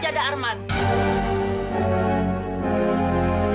tadi saya tuh kecopetan